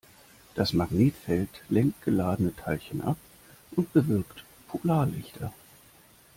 Das Magnetfeld lenkt geladene Teilchen ab und bewirkt Polarlichter.